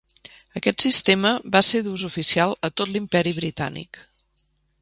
Aquest sistema va ser d’ús oficial a tot l'Imperi Britànic.